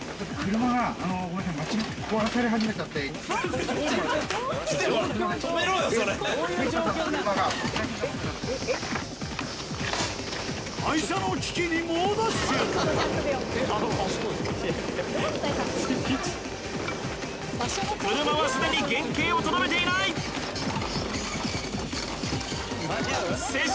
車は既に原形をとどめていない瀬下